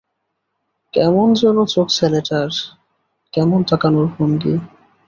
কেমন যেন চোখ ছেলেটার, কেমন তাকানোর ভঙ্গি।